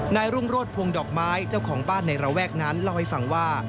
รุ่งโรธพวงดอกไม้เจ้าของบ้านในระแวกนั้นเล่าให้ฟังว่า